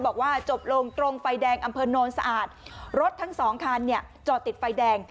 บอกว่าจบลงตรงไฟแดงอำเภอโนนสะอาดรถทั้งสองคันเนี่ยจอดติดไฟแดง